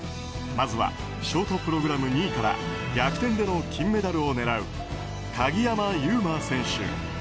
まずはショートプログラム２位から逆転での金メダルを狙う鍵山優真選手。